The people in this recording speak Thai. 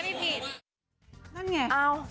ไม่จำสีเราสวย